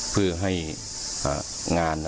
เพื่อให้งานนั้นน่ะ